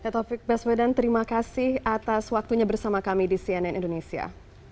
taufik baswedan terima kasih atas waktunya bersama kami di cnn indonesia